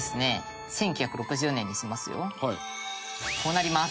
「こうなります」